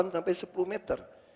delapan sampai sepuluh meter